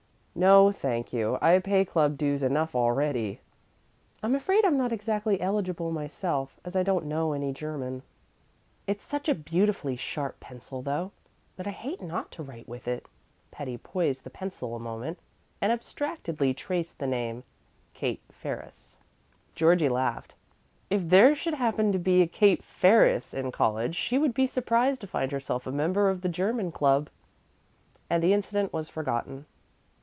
"No, thank you; I pay club dues enough already." "I'm afraid I'm not exactly eligible myself, as I don't know any German. It's such a beautifully sharp pencil, though, that I hate not to write with it." Patty poised the pencil a moment, and abstractedly traced the name "Kate Ferris." Georgie laughed. "If there should happen to be a Kate Ferris in college, she would be surprised to find herself a member of the German Club," and the incident was forgotten.